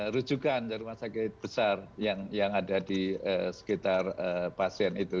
rujukan rumah sakit besar yang ada di sekitar pasien itu